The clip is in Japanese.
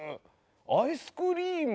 アイスクリーム。